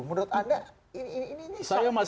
menurut anda ini